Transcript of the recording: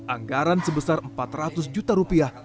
anggaran sebesar empat ratus juta rupiah